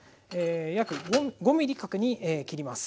約５ｍｍ角に切ります。